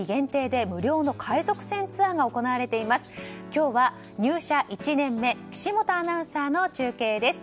今日は入社１年目岸本アナウンサーの中継です。